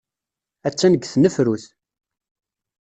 Attan deg tnefrut.